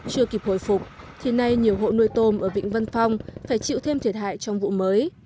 chưa kịp hồi phục thì nay nhiều hộ nuôi tôm ở vịnh vân phong phải chịu thêm thiệt hại trong vụ mới